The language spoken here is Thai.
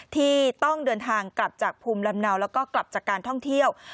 ที่ต้องเดินทางกลับจากภูมิลำเนาแล้วก็กลับจากการท่องเที่ยว